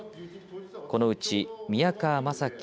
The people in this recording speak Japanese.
このうち宮川真喜